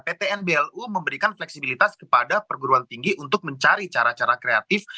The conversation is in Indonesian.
pt nblu memberikan fleksibilitas kepada perguruan tinggi untuk mencari cara cara kreatif